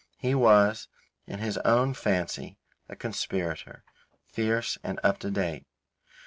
He was, in his own fancy, a conspirator, fierce and up to date.